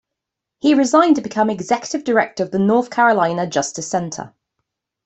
He resigned to become executive director of the North Carolina Justice Center.